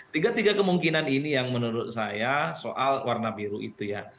tiga tiga kemungkinan ini yang menurut saya soal warna biru itu ya